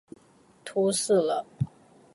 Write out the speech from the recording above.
土死了！